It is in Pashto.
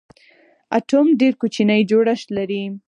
اټوم ډېر کوچنی جوړښت لري.